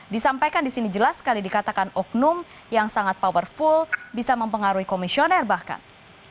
disampaikan disini jelas sekali dikatakan okaynum yang sangat powerful bisa mempengaruhi komisioner bahkan